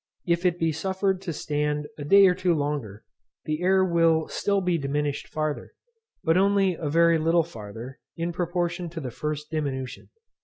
If it be suffered to stand a day or two longer, the air will still be diminished farther, but only a very little farther, in proportion to the first diminution.